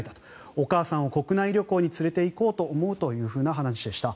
お母さんを国内旅行に連れて行こうと思うという話でした。